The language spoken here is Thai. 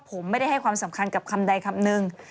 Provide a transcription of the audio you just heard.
ผมไม่ได้ให้ความสำคัญกับคำใดคำนึง